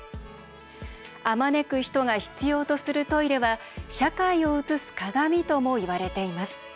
あまねく人が必要とするトイレは「社会を映す鏡」ともいわれています。